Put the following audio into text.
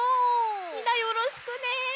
みんなよろしくね。